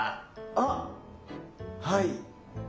あっはい。